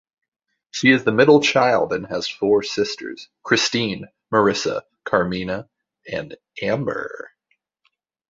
She is the middle child and has four sisters: Christine, Marissa, Carmina and Amber.